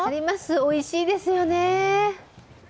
おいしいですよね。